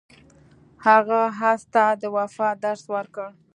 هغه اس ته د وفا درس ورکړ.